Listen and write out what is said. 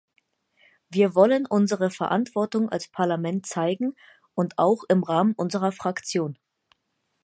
Wir wollen unsere Verantwortung als Parlament zeigen und auch im Rahmen unserer Fraktion.